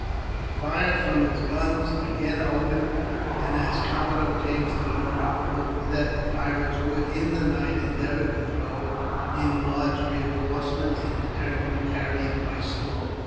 The fire from its guns again opened, and as Commodore James thought it probable that the pirates would, in the night, endeavour to throw in large reinforcements, he determined to carry it by storm.